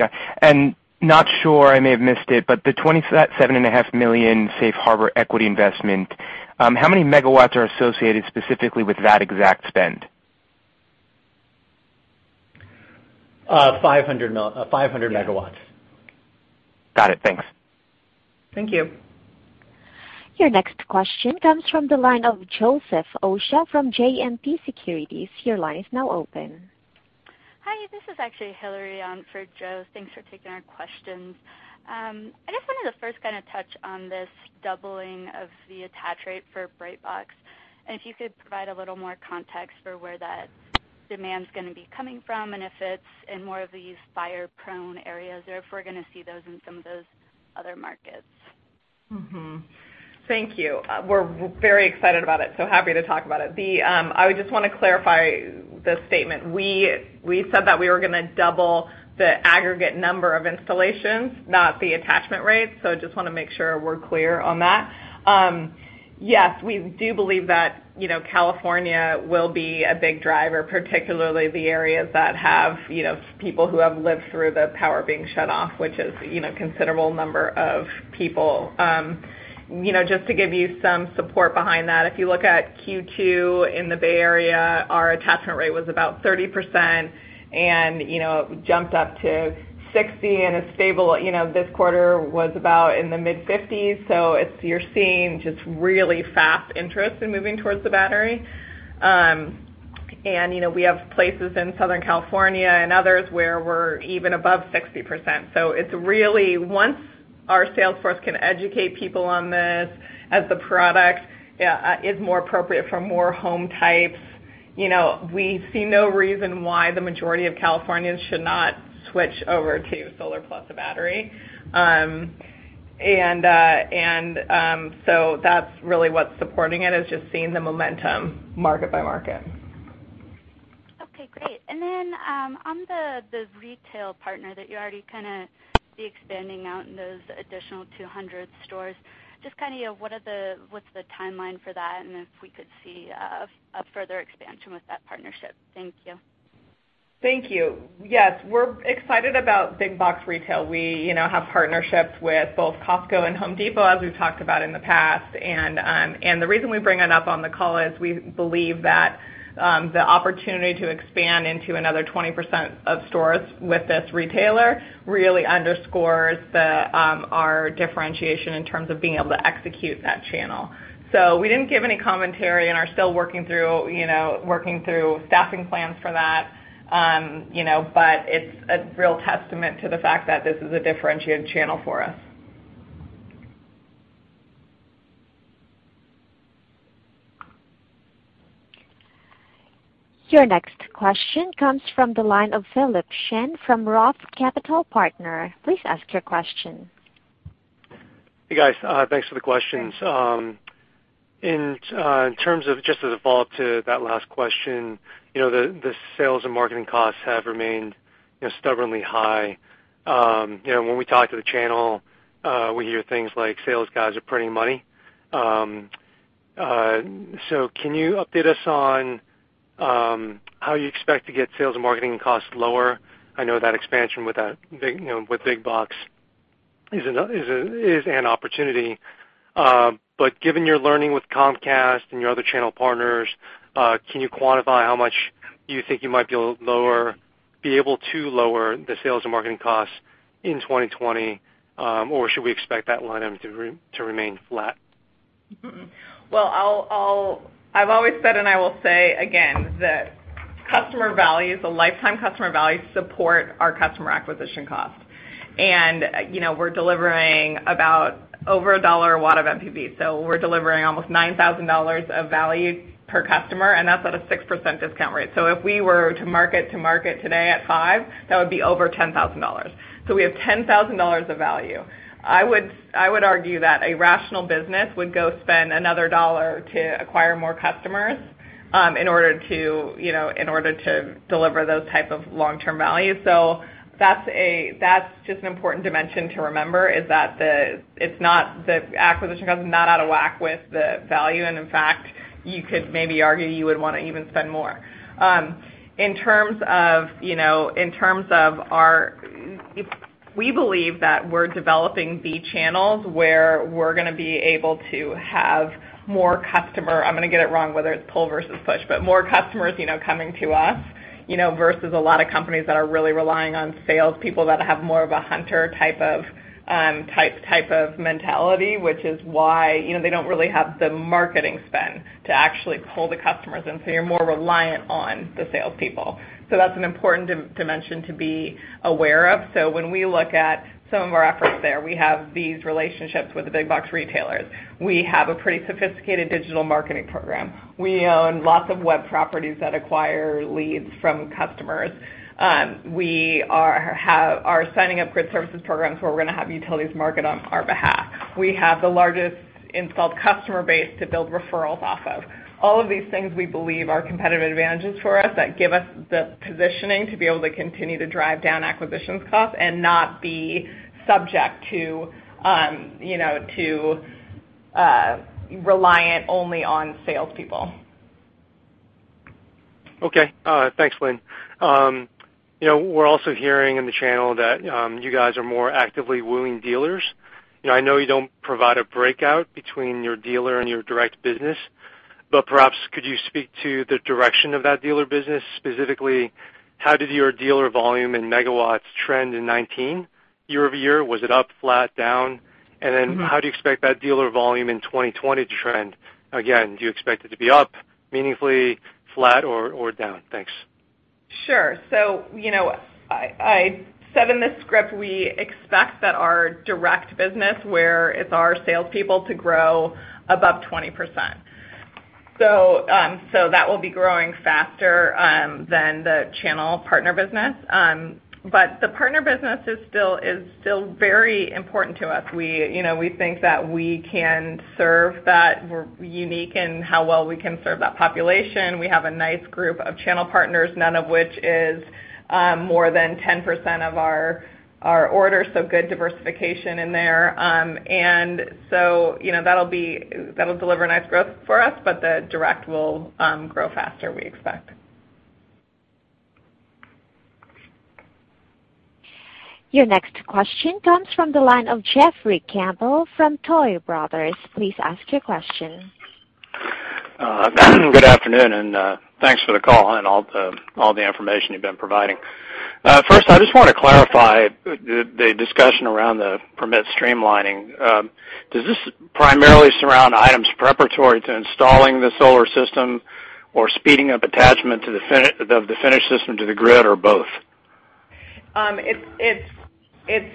Not sure, I may have missed it, but the $27.5 million safe harbor equity investment, how many megawatts are associated specifically with that exact spend? 500 MW. Got it. Thanks. Thank you. Your next question comes from the line of Joseph Osha from JMP Securities. Your line is now open. Hi, this is actually Hilary on for Joe. Thanks for taking our questions. I guess I wanted to first touch on this doubling of the attach rate for Brightbox, and if you could provide a little more context for where that demand's going to be coming from, and if it's in more of these fire-prone areas, or if we're going to see those in some of those other markets? Thank you. We're very excited about it, happy to talk about it. I just want to clarify the statement. We said that we were going to double the aggregate number of installations, not the attachment rate. I just want to make sure we're clear on that. Yes, we do believe that California will be a big driver, particularly the areas that have people who have lived through the power being shut off, which is a considerable number of people. Just to give you some support behind that, if you look at Q2 in the Bay Area, our attachment rate was about 30%, and it jumped up to 60%, and it's stable. This quarter was about in the mid-50s, so you're seeing just really fast interest in moving towards the battery. We have places in Southern California and others where we're even above 60%. Once our sales force can educate people on this, as the product is more appropriate for more home types, we see no reason why the majority of Californians should not switch over to solar plus a battery. That's really what's supporting it, is just seeing the momentum market by market. Okay, great. On the retail partner that you already be expanding out in those additional 200 stores, just what's the timeline for that, and if we could see a further expansion with that partnership? Thank you. Thank you. Yes, we're excited about big box retail. We have partnerships with both Costco and Home Depot, as we've talked about in the past. The reason we bring it up on the call is we believe that the opportunity to expand into another 20% of stores with this retailer really underscores our differentiation in terms of being able to execute that channel. We didn't give any commentary and are still working through staffing plans for that. It's a real testament to the fact that this is a differentiated channel for us. Your next question comes from the line of Philip Shen from ROTH Capital Partners. Please ask your question. Hey, guys. Thanks for the questions. In terms of, just as a follow-up to that last question, the sales and marketing costs have remained stubbornly high. When we talk to the channel, we hear things like sales guys are printing money. Can you update us on how you expect to get sales and marketing costs lower? I know that expansion with big box is an opportunity. Given your learning with Comcast and your other channel partners, can you quantify how much you think you might be able to lower the sales and marketing costs in 2020? Should we expect that line item to remain flat? Well, I've always said, and I will say again, that customer values, the lifetime customer values, support our customer acquisition cost. We're delivering about over a dollar a watt of NPV. We're delivering almost $9,000 of value per customer, and that's at a 6% discount rate. If we were to market today at five, that would be over $10,000. We have $10,000 of value. I would argue that a rational business would go spend another dollar to acquire more customers in order to deliver those type of long-term values. That's just an important dimension to remember, is that the acquisition cost is not out of whack with the value, and in fact, you could maybe argue you would want to even spend more. We believe that we're developing the channels where we're going to be able to have more customer, I'm going to get it wrong whether it's pull versus push, but more customers coming to us versus a lot of companies that are really relying on salespeople that have more of a hunter type of mentality, which is why they don't really have the marketing spend to actually pull the customers in. You're more reliant on the salespeople. That's an important dimension to be aware of. When we look at some of our efforts there, we have these relationships with the big box retailers. We have a pretty sophisticated digital marketing program. We own lots of web properties that acquire leads from customers. We are signing up grid services programs where we're going to have utilities market on our behalf. We have the largest installed customer base to build referrals off of. All of these things we believe are competitive advantages for us that give us the positioning to be able to continue to drive down acquisitions costs and not be subject to reliant only on salespeople. Okay. Thanks, Lynn. We're also hearing in the channel that you guys are more actively wooing dealers. I know you don't provide a breakout between your dealer and your direct business. Perhaps could you speak to the direction of that dealer business? Specifically, how did your dealer volume in megawatts trend in 2019 year-over-year? Was it up, flat, down? How do you expect that dealer volume in 2020 to trend? Again, do you expect it to be up meaningfully, flat, or down? Thanks. Sure. I said in the script, we expect that our direct business, where it's our salespeople to grow above 20%. That will be growing faster than the channel partner business. The partner business is still very important to us. We think that we're unique in how well we can serve that population. We have a nice group of channel partners, none of which is more than 10% of our orders, so good diversification in there. That'll deliver nice growth for us, but the direct will grow faster, we expect. Your next question comes from the line of Jeffrey Campbell from Tuohy Brothers. Please ask your question. Good afternoon. Thanks for the call and all the information you've been providing. First, I just want to clarify the discussion around the permit streamlining. Does this primarily surround items preparatory to installing the solar system or speeding up attachment of the finished system to the grid, or both? The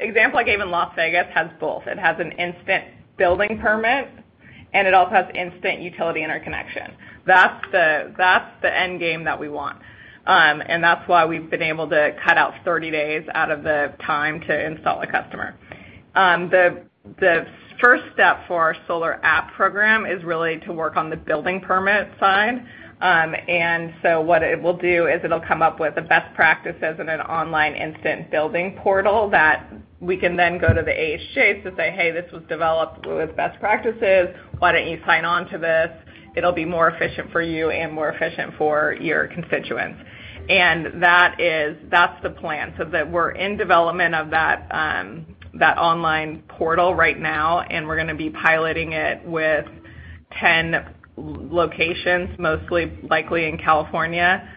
example I gave in Las Vegas has both. It has an instant building permit, and it also has instant utility and interconnection. That's the end game that we want. That's why we've been able to cut out 30 days out of the time to install a customer. The first step for our SolarAPP+ program is really to work on the building permit side. What it will do is it'll come up with best practices and an online instant building portal that we can then go to the AHJs to say, "Hey, this was developed with best practices. Why don't you sign on to this? It'll be more efficient for you and more efficient for your constituents." That's the plan. That we're in development of that online portal right now, and we're going to be piloting it with 10 locations, most likely in California,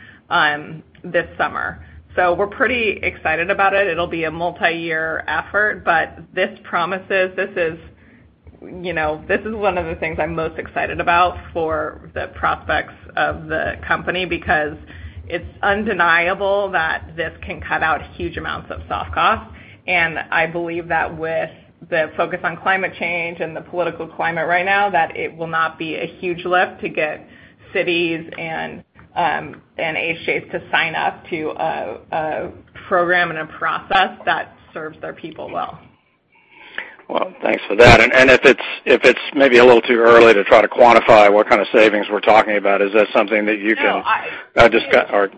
this summer. We're pretty excited about it. It'll be a multi-year effort, but this is one of the things I'm most excited about for the prospects of the company because it's undeniable that this can cut out huge amounts of soft costs. I believe that with the focus on climate change and the political climate right now, that it will not be a huge lift to get cities and AHJs to sign up to a program and a process that serves their people well. Well, thanks for that. If it's maybe a little too early to try to quantify what kind of savings we're talking about. No. Discuss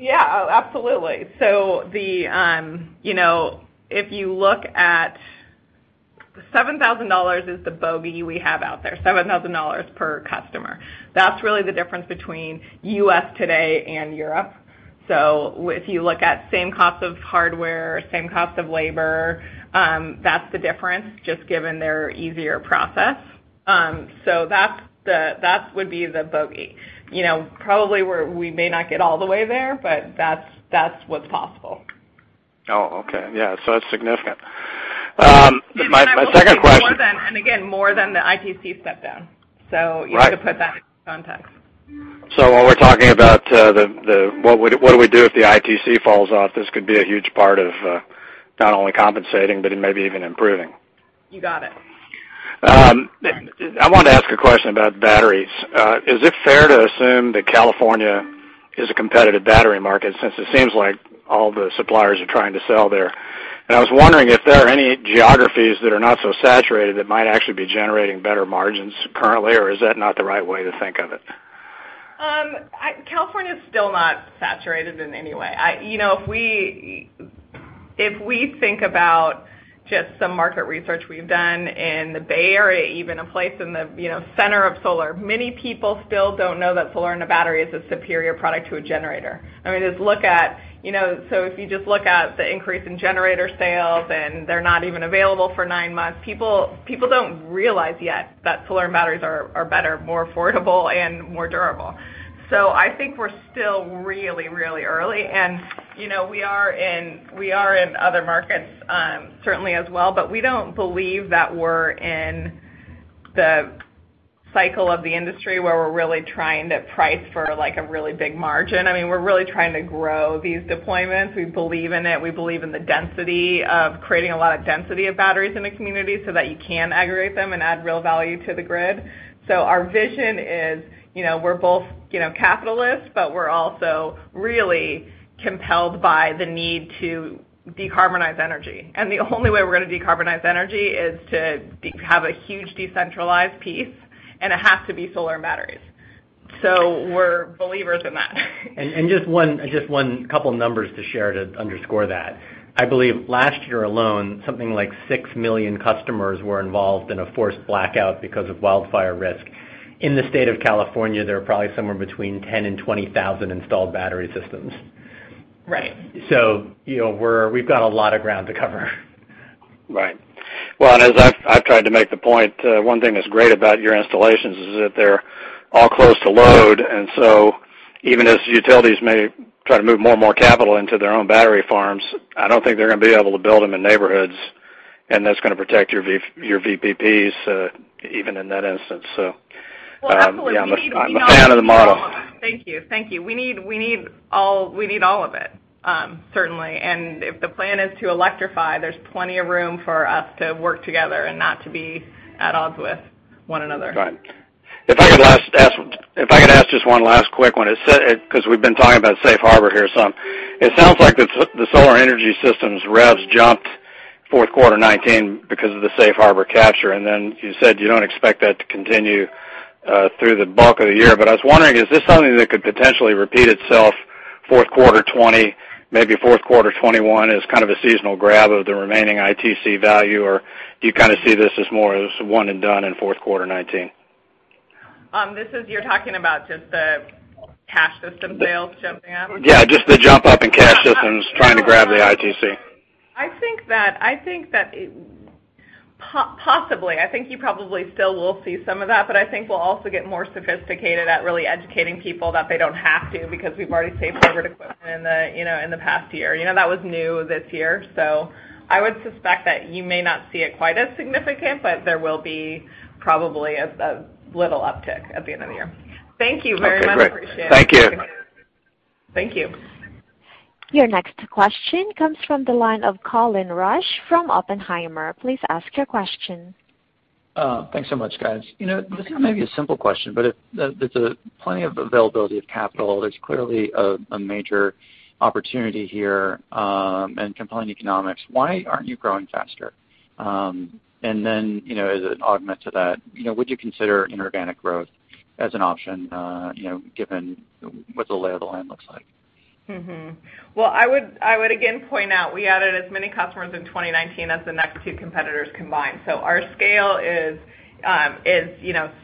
Yeah. Absolutely. If you look at $7,000 is the bogey we have out there, $7,000 per customer. That's really the difference between U.S. today and Europe. If you look at same cost of hardware, same cost of labor, that's the difference, just given their easier process. That would be the bogey. Probably, we may not get all the way there, but that's what's possible. Oh, okay. Yeah. That's significant. My second question. Again, more than the ITC step-down. Right. You have to put that in context. When we're talking about what do we do if the ITC falls off, this could be a huge part of not only compensating, but it may be even improving. You got it. I wanted to ask a question about batteries. Is it fair to assume that California is a competitive battery market since it seems like all the suppliers are trying to sell there? I was wondering if there are any geographies that are not so saturated that might actually be generating better margins currently, or is that not the right way to think of it? California is still not saturated in any way. If we think about just some market research we've done in the Bay Area, even a place in the center of solar, many people still don't know that solar in a battery is a superior product to a generator. If you just look at the increase in generator sales, and they're not even available for nine months, people don't realize yet that solar and batteries are better, more affordable, and more durable. I think we're still really, really early, and we are in other markets, certainly as well, but we don't believe that we're in the cycle of the industry where we're really trying to price for a really big margin. We're really trying to grow these deployments. We believe in it. We believe in the density of creating a lot of density of batteries in the community so that you can aggregate them and add real value to the grid. Our vision is we're both capitalist, but we're also really compelled by the need to decarbonize energy. The only way we're going to decarbonize energy is to have a huge decentralized piece, and it has to be solar and batteries. We're believers in that. Just one couple numbers to share to underscore that. I believe last year alone, something like six million customers were involved in a forced blackout because of wildfire risk. In the state of California, there are probably somewhere between 10,000 and 20,000 installed battery systems. Right. We've got a lot of ground to cover. Right. Well, as I've tried to make the point, one thing that's great about your installations is that they're all close to load. Even as utilities may try to move more and more capital into their own battery farms, I don't think they're going to be able to build them in neighborhoods, and that's going to protect your VPPs, even in that instance. Well, absolutely. Yeah. I'm a fan of the model. Thank you. We need all of it, certainly. If the plan is to electrify, there's plenty of room for us to work together and not to be at odds with one another. Right. If I could ask just one last quick one, because we've been talking about safe harbor here some. It sounds like the solar energy systems revs jumped fourth quarter 2019 because of the safe harbor capture, and then you said you don't expect that to continue through the bulk of the year. I was wondering, is this something that could potentially repeat itself fourth quarter 2020, maybe fourth quarter 2021, as kind of a seasonal grab of the remaining ITC value, or do you kind of see this as more as one and done in fourth quarter 2019? You're talking about just the cash system sales jumping up? Yeah, just the jump up in cash. No. Trying to grab the ITC. I think that possibly. I think you probably still will see some of that, but I think we'll also get more sophisticated at really educating people that they don't have to, because we've already safe harbored equipment in the past year. That was new this year. I would suspect that you may not see it quite as significant, but there will be probably a little uptick at the end of the year. Thank you very much. Okay, great. Appreciate it. Thank you. Thank you. Your next question comes from the line of Colin Rusch from Oppenheimer. Please ask your question. Thanks so much, guys. This may be a simple question, but if there's plenty of availability of capital, there's clearly a major opportunity here, and compelling economics, why aren't you growing faster? As an augment to that, would you consider inorganic growth as an option, given what the lay of the land looks like? Mm-hmm. I would again point out, we added as many customers in 2019 as the next two competitors combined. Our scale is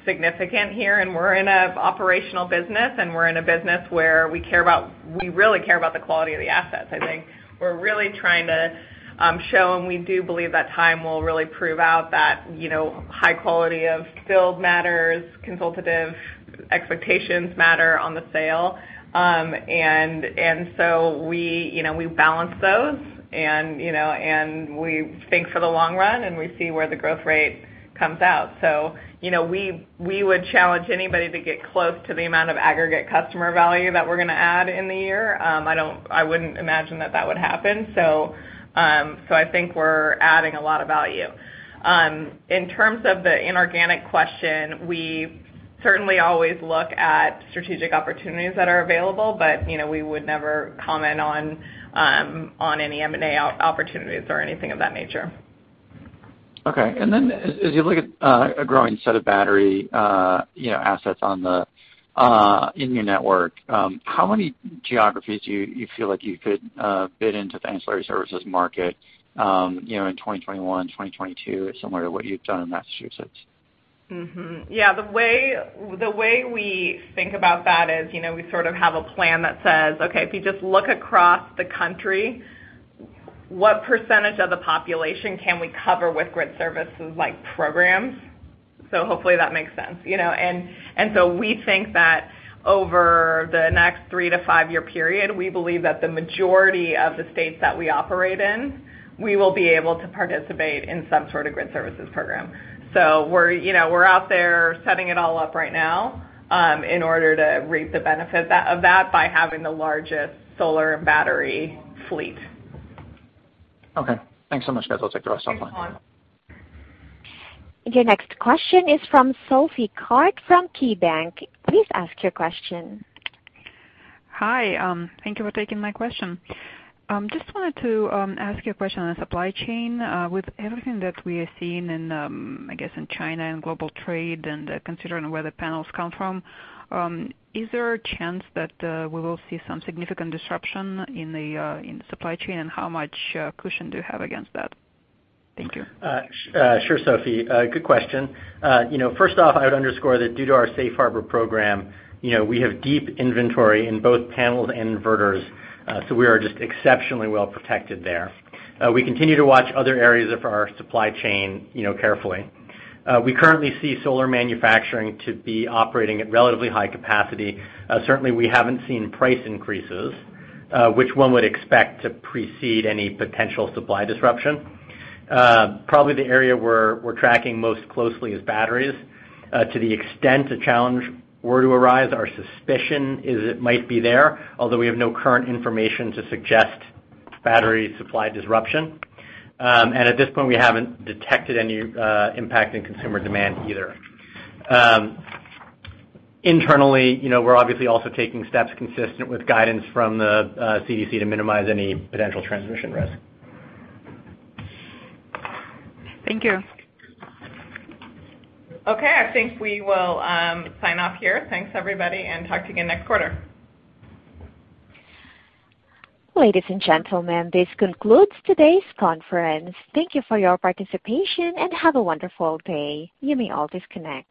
significant here, and we're in a operational business, and we're in a business where we really care about the quality of the assets. I think we're really trying to show, and we do believe that time will really prove out that high quality of build matters, consultative expectations matter on the sale. We balance those, and we think for the long run, and we see where the growth rate comes out. We would challenge anybody to get close to the amount of aggregate customer value that we're going to add in the year. I wouldn't imagine that that would happen. I think we're adding a lot of value. In terms of the inorganic question, we certainly always look at strategic opportunities that are available, but we would never comment on any M&A opportunities or anything of that nature. Okay. As you look at a growing set of battery assets in your network, how many geographies do you feel like you could bid into the ancillary services market in 2021, 2022, similar to what you've done in Massachusetts? Yeah, the way we think about that is, we sort of have a plan that says, "Okay, if you just look across the country, what percentage of the population can we cover with grid services like programs?" Hopefully that makes sense. We think that over the next three to five-year period, we believe that the majority of the states that we operate in, we will be able to participate in some sort of grid services program. We're out there setting it all up right now in order to reap the benefit of that by having the largest solar and battery fleet. Okay. Thanks so much, guys. I'll take the rest offline. Thanks, Colin. Your next question is from Sophie Karp from KeyBanc. Please ask your question. Hi. Thank you for taking my question. Just wanted to ask you a question on the supply chain. With everything that we are seeing in, I guess, in China and global trade, and considering where the panels come from, is there a chance that we will see some significant disruption in the supply chain? How much cushion do you have against that? Thank you. Sure, Sophie. Good question. First off, I would underscore that due to our safe harbor program, we have deep inventory in both paneled inverters. We are just exceptionally well protected there. We continue to watch other areas of our supply chain carefully. We currently see solar manufacturing to be operating at relatively high capacity. Certainly, we haven't seen price increases, which one would expect to precede any potential supply disruption. Probably the area we're tracking most closely is batteries. To the extent a challenge were to arise, our suspicion is it might be there, although we have no current information to suggest battery supply disruption. At this point, we haven't detected any impact in consumer demand either. Internally, we're obviously also taking steps consistent with guidance from the CDC to minimize any potential transmission risk. Thank you. Okay. I think we will sign off here. Thanks, everybody, and talk to you again next quarter. Ladies and gentlemen, this concludes today's conference. Thank you for your participation, and have a wonderful day. You may all disconnect.